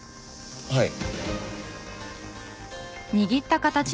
はい。